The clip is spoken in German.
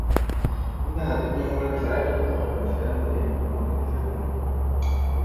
Nina hatte immer nur kleinere Rollen im Fernsehen und in Filmen.